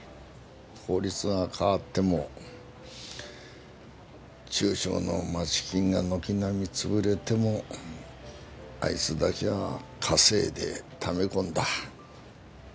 法律が変わっても中小の街金が軒並み潰れてもあいつだけは稼いでため込んだ。